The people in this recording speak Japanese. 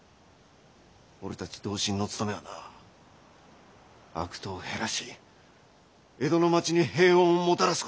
俺たち同心の勤めはな悪党を減らし江戸の町に平穏をもたらすこと。